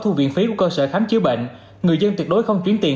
thu viện phí của cơ sở khám chữa bệnh người dân tuyệt đối không chuyển tiền